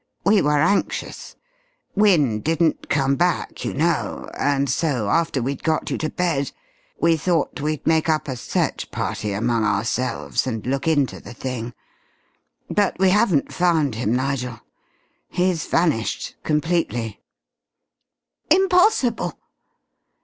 We were anxious. Wynne didn't come back, you know, and so after we'd got you to bed we thought we'd make up a search party among ourselves and look into the thing. But we haven't found him, Nigel. He's vanished completely!" "Impossible!"